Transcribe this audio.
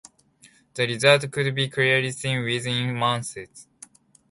The results could be clearly seen within months.